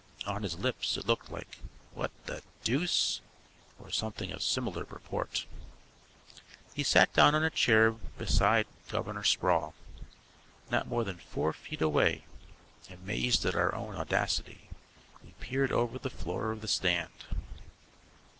On his lips it looked like "What the deuce," or something of similar purport. He sat down on a chair beside Governor Sproul. Not more than four feet away, amazed at our own audacity, we peered over the floor of the stand.